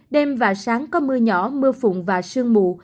đêm và sáng có mưa nhỏ mưa phùn và sương mù